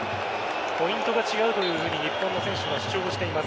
ポイントが違うというふうに日本の選手が主張しています。